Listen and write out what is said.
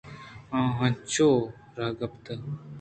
آ انچوکہ رہ گپت